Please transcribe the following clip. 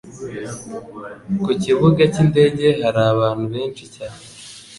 Ku kibuga cyindege hari abantu benshi cyane.